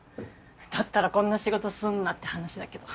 だったらこんな仕事すんなって話だけど。